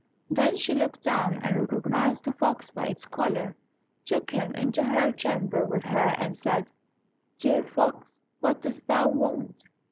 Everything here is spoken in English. Then she looked down and recognized the fox by its collar, took him into her chamber with her and said, "Dear fox, what dost thou want?"